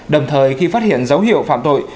đồng thời khi phát hiện dấu hiệu phạm tội